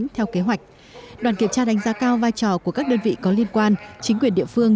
theo kế hoạch đoàn kiểm tra đánh giá cao vai trò của các đơn vị có liên quan chính quyền địa phương